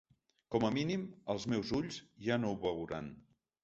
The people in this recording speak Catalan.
Com a mínim, els meus ulls ja no ho veuran.